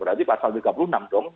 berarti pasal tiga puluh enam dong